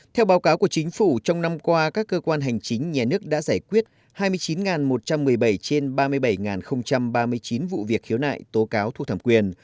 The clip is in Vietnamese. theo báo cáo của chính phủ trong năm qua các cơ quan hành chính nhà nước đã giải quyết hai mươi chín một trăm một mươi bảy trên ba mươi bảy ba mươi chín vụ việc khiếu nại tố cáo thuộc thẩm quyền